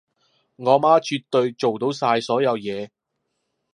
我媽絕對做到晒所有嘢